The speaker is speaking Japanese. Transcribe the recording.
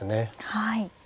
はい。